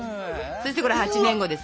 そしてこれ８年後です